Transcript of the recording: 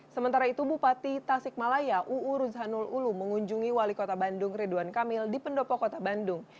sementara itu bupati tasikmalaya uu ruzhanul ulu mengunjungi wali kota bandung ridwan kamil di pendopo kota bandung